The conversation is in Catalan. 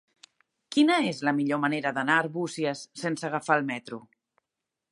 Quina és la millor manera d'anar a Arbúcies sense agafar el metro?